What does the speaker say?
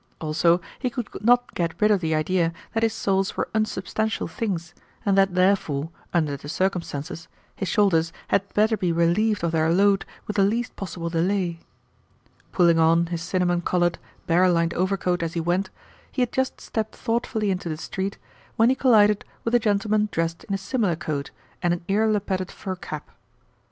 Also, he could not get rid of the idea that his souls were unsubstantial things, and that therefore, under the circumstances, his shoulders had better be relieved of their load with the least possible delay. Pulling on his cinnamon coloured, bear lined overcoat as he went, he had just stepped thoughtfully into the street when he collided with a gentleman dressed in a similar coat and an ear lappeted fur cap.